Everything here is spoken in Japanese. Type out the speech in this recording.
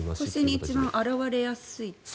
腰に一番表れやすい？